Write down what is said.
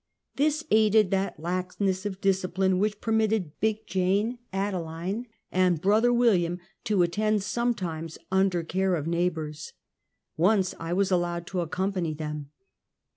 This aided that laxness of discipline which permitted Big Jane, Adaline and brother William to attend some times, under care of neighbors. Once I was allowed to accompany them.